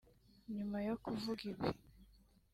Nyuma yo kuvuga ibi